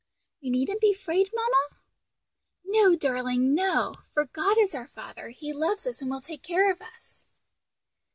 '" "We needn't be 'f'aid, mamma?" "No, darling, no; for God is our Father; He loves us and will take care of us."